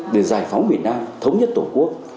để giải phóng việt nam thống nhất tổ quốc